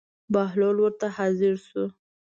بهلول ورته حاضر شو.